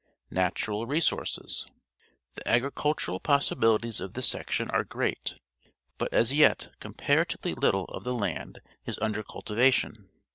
Natural Resources. — The agricultural pos sibilities of this section are great, but as yet com parativel} little of the land is under cultivation.